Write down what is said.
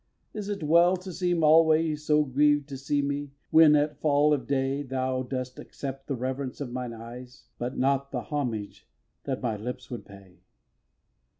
Is't well to seem alwày So grieved to see me, when, at fall of day, Thou dost accept the reverence of mine eyes, But not the homage that my lips would pay?